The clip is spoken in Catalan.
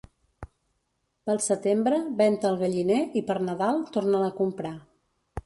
Pel setembre ven-te el galliner i per Nadal torna'l a comprar.